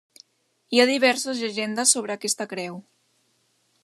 Hi ha diverses llegendes sobre aquesta creu.